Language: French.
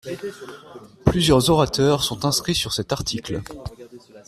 Plusieurs orateurs sont inscrits sur cet article.